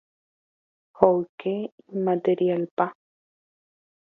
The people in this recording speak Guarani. hoyke imaterialpa.